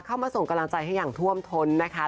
เข้ามาส่งกำลังใจให้อย่างท่วมท้นนะคะ